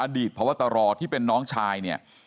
อดีตพระวัตรอที่เป็นน้องชายเนี่ย